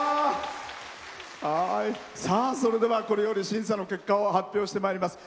それでは、これより審査の結果を発表してまいります。